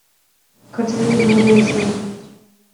Cad é an rud é sin